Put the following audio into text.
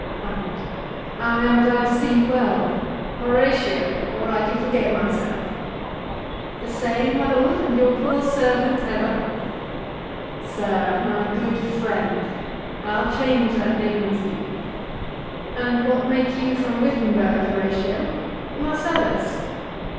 HAMLET. I am glad to see you well: Horatio, or I do forget myself. HORATIO. The same, my lord, And your poor servant ever. HAMLET. Sir, my good friend; I'll change that name with you: And what make you from Wittenberg, Horatio?— Marcellus?